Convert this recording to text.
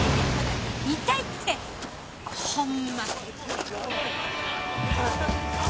痛いってホンマ。